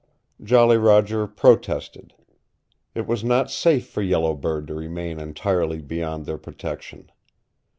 Jolly Roger protested. It was not safe for Yellow Bird to remain entirely beyond their protection.